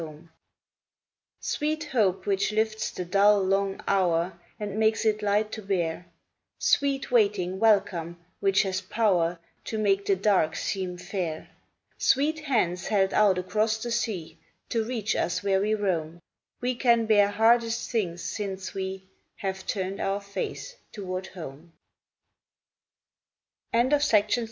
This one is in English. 44 NEARER HOME Sweet hope which lifts the dull, long hour And makes it light to bear, Sweet waiting welcome which has power To make the dark seem fair, Sweet hands held out across the sea To reach us where we roam, We can bear hardest things since we Have turned our face toward home.